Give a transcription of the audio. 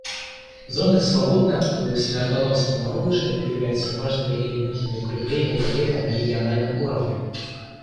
Зоны, свободные от этого смертоносного оружия, являются важными элементами укрепления доверия на региональном уровне.